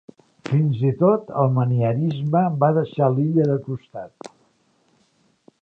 Fins i tot el manierisme va deixar l'illa de costat.